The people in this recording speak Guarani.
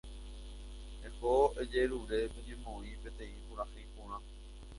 Eho ejerure toñemoĩ peteĩ purahéi porã.